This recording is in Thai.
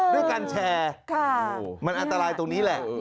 ด้วยการแชร์มันอันตรายตรงนี้แหละ